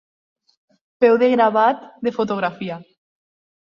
Peu de gravat, de fotografia.